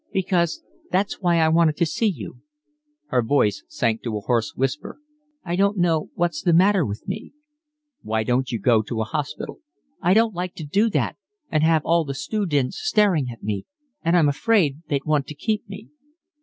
"Because that's why I wanted to see you." Her voice sank to a hoarse whisper. "I don't know what's the matter with me." "Why don't you go to a hospital?" "I don't like to do that, and have all the stoodents staring at me, and I'm afraid they'd want to keep me."